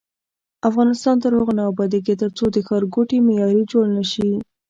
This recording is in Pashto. افغانستان تر هغو نه ابادیږي، ترڅو ښارګوټي معیاري جوړ نشي.